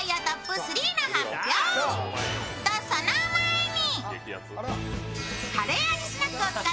とその前に。